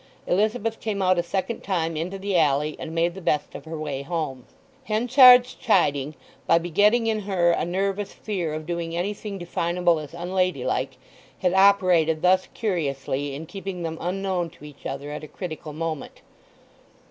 Elizabeth came out a second time into the alley, and made the best of her way home. Henchard's chiding, by begetting in her a nervous fear of doing anything definable as unladylike, had operated thus curiously in keeping them unknown to each other at a critical moment.